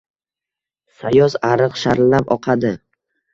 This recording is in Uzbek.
Sayoz ariq sharillab oqadi.